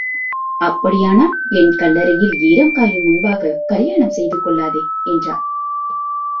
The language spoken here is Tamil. அப்படியானால், என் கல்லறையில் ஈரம் காயும் முன்பாகக் கல்யாணம் செய்துகொள்ளாதே? என்றார்.